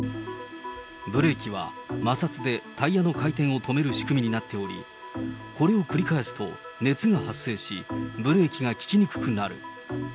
ブレーキは摩擦でタイヤの回転を止める仕組みになっており、これを繰り返すと熱が発生し、ブレーキが利きにくくなる。